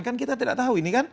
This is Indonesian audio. kan kita tidak tahu ini kan